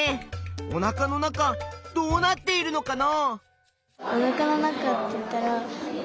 おなかの中どうなっているのかな？